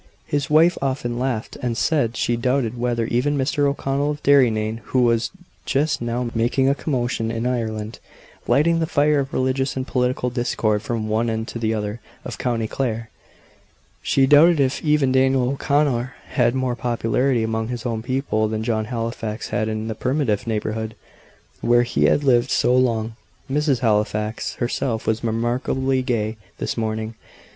His wife often laughed, and said she doubted whether even Mr. O'Connell of Derrynane, who was just now making a commotion in Ireland, lighting the fire of religious and political discord from one end to the other of County Clare; she doubted if even Daniel O'Connell had more popularity among his own people than John Halifax had in the primitive neighbourhood where he had lived so long. Mrs. Halifax herself was remarkably gay this morning.